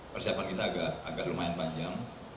persiapan kita agak lumayan panjang